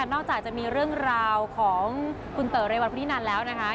นอกจากจะมีเรื่องราวของคุณเต๋อเรวัฒนินันแล้วนะคะ